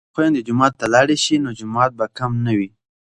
که خویندې جومات ته لاړې شي نو جماعت به کم نه وي.